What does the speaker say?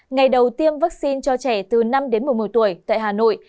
ngày đầu tiêm vaccine cho trẻ từ năm đến một mươi tuổi tại hà nội